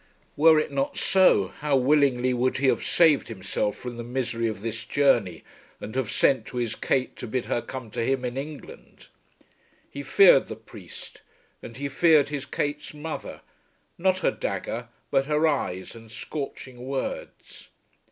Were it not so how willingly would he have saved himself from the misery of this journey, and have sent to his Kate to bid her come to him in England! He feared the priest, and he feared his Kate's mother; not her dagger, but her eyes and scorching words.